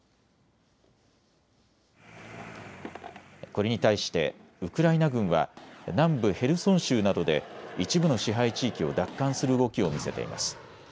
これに対してウクライナ軍は南部ヘルソン州などで一部の支配地域を奪還する動きを見せています。